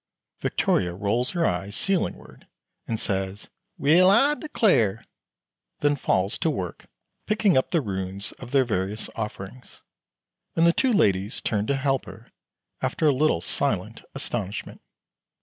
Victoria rolls her eyes ceilingward, and says, "Well, I declar'!" then falls to work picking up the ruins of their various offerings, and the two ladies turn to help her after a little silent astonishment.